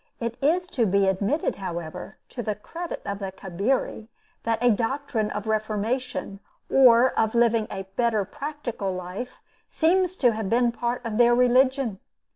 It is to be admitted, however, to the credit of the Cabiri, that a doctrine of reformation, or of living a better practical life, seems to have been part of their religion.